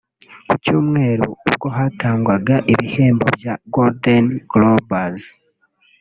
Ku cyumweru ubwo hatangwaga ibihembo bya Golden Globes